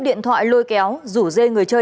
điện thoại lôi kéo rủ dê người chơi